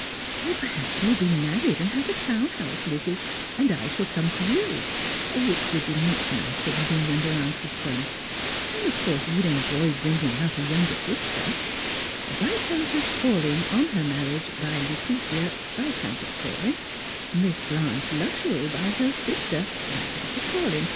" Or perhaps you'll be married, and have a town house, Lizzie, and I shall come to you ; which would be much nicer than being under aantie'n thumb. And of course you'd enjoy Strangers and Pilyrims. 131 bringing out a younger sister. Viscountess Paulyn, on ter marriage, by Lucretia Viscountess Paulyn; Miss Blanche Lutt rell, by her sister, Viscountess Paulyn.